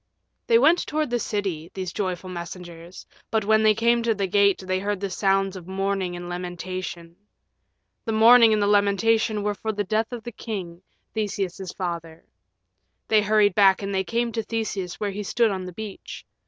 They went toward the city, these joyful messengers, but when they came to the gate they heard the sounds of mourning and lamentation. The mourning and the lamentation were for the death of the king, Theseus's father. They hurried back and they came to Theseus where he stood on the beach.